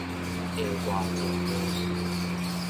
下大靜脈